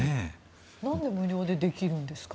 何で無料でできるんですか？